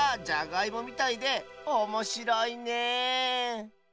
じゃがいもみたいでおもしろいね